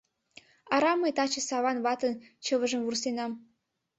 Арам мый таче Саван ватын чывыжым вурсенам.